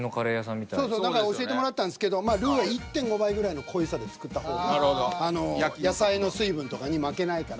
そうそうだから教えてもらったんですけどルーは１．５倍ぐらいの濃さで作った方が野菜の水分とかに負けないから。